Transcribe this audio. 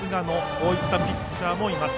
こういったピッチャーもいます。